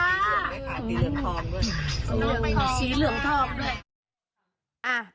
สีเหลืองทองด้วย